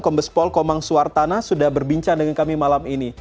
kombes pol komang suartana sudah berbincang dengan kami malam ini